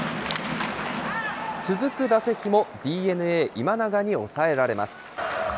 続く打席もＤｅＮＡ、今永に抑えられます。